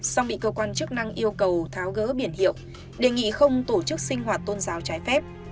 song bị cơ quan chức năng yêu cầu tháo gỡ biển hiệu đề nghị không tổ chức sinh hoạt tôn giáo trái phép